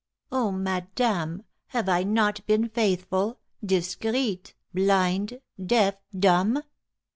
Oh, madame, have I not been faithful, discreet, blind, deaf, dumb?